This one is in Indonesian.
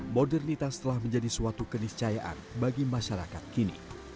modernitas telah menjadi suatu keniscayaan bagi masyarakat kini